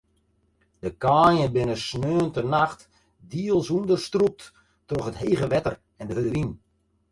De kaaien binne saterdeitenacht diels ûnderstrûpt troch it hege wetter en de hurde wyn.